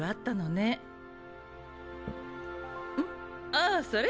ああそれ？